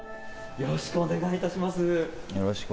よろしくお願いします。